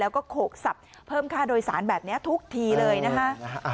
แล้วก็โขกสับเพิ่มค่าโดยสารแบบนี้ทุกทีเลยนะคะ